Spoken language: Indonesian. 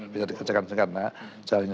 bisa dikerjakan kerjakan jalannya